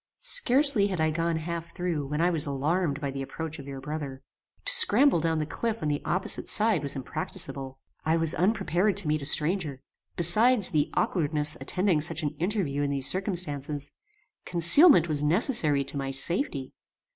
"Scarcely had I gone half through when I was alarmed by the approach of your brother. To scramble down the cliff on the opposite side was impracticable. I was unprepared to meet a stranger. Besides the aukwardness attending such an interview in these circumstances, concealment was necessary to my safety.